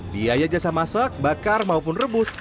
biaya jasa masak bakar maupun rebus